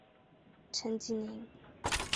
陈吉宁。